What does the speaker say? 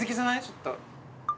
ちょっと。